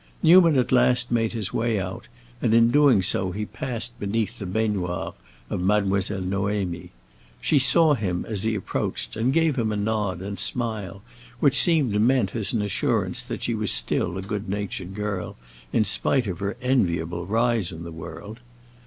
Newman at last made his way out, and in doing so he passed beneath the baignoire of Mademoiselle Noémie. She saw him as he approached and gave him a nod and smile which seemed meant as an assurance that she was still a good natured girl, in spite of her enviable rise in the world.